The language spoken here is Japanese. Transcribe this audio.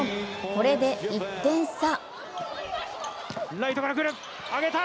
これで１点差。